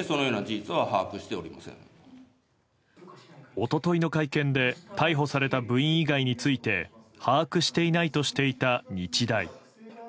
一昨日の会見で逮捕された部員以外について把握していないとしていた日大。